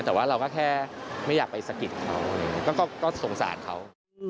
แต่ว่าเราก็แค่ไม่อยากไปสะกิดเขาก็สงสารเขา